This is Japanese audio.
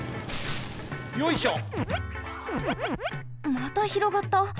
またひろがった。